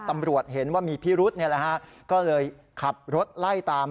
ตำรวจเห็นว่ามีพิรุธก็เลยขับรถไล่ตาม